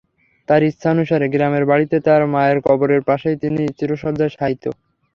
তাঁর ইচ্ছানুসারে গ্রামের বাড়িতে তাঁর মায়ের কবরের পাশেই তিনি চিরশয্যায় শায়িত।